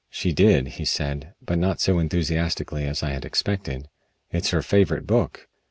"She did," he said, but not so enthusiastically as I had expected. "It's her favorite book.